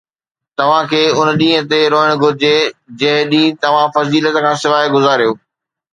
توهان کي ان ڏينهن تي روئڻ گهرجي جنهن ڏينهن توهان فضيلت کان سواءِ گذاريو